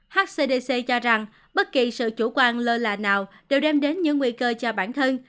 hcdc cho rằng bất kỳ sự chủ quan lơ là nào đều đem đến những nguy cơ cho bản thân